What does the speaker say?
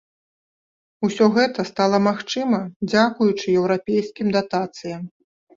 Усё гэта стала магчыма, дзякуючы еўрапейскім датацыям.